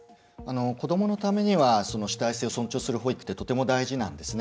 子どものためには主体性を尊重する保育はとても大事なんですね。